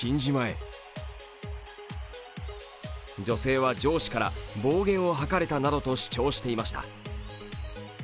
女性は上司から暴言を吐かれたなどと主張していました。